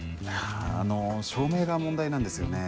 あの照明が問題なんですよね。